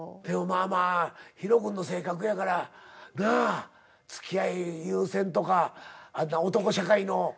でもまあまあＨＩＲＯ君の性格やからなあつきあい優先とか男社会の。